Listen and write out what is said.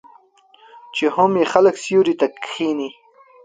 چې هم یې خلک سیوري ته کښیني.